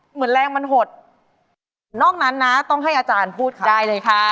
เหมือนแรงมันหดนอกนั้นนะต้องให้อาจารย์พูดค่ะได้เลยค่ะ